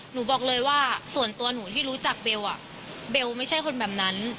หนูบอกเลยว่าส่วนตัวหนูที่รู้จักเบลเบลไม่ใช่คนแบบนั้น